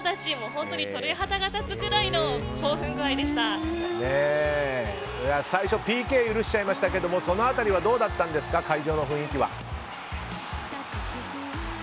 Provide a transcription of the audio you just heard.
本当に鳥肌が立つくらいの最初ＰＫ許しちゃいましたけどその辺りはどうだったんですか会場の雰囲気は。